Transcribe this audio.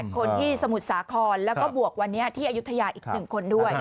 คนที่สมุทรสาครแล้วก็บวกวันนี้ที่อายุทยาอีก๑คนด้วย